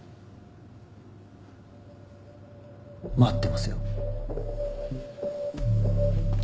待ってますよ。